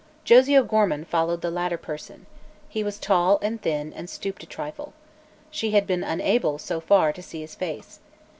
Josie O'Gorman followed the latter person. He was tall and thin and stooped a trifle. She had been unable, so far, to see his face.